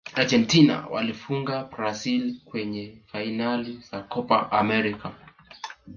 argentina waliwafunga brazil kwenye fainali za kopa amerika